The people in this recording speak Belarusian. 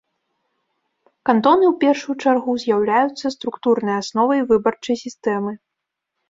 Кантоны ў першую чаргу з'яўляюцца структурнай асновай выбарчай сістэмы.